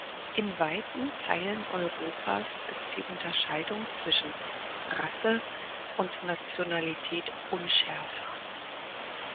In weiten Teilen Europas ist die Unterscheidung zwischen „Rasse“ und Nationalität unschärfer.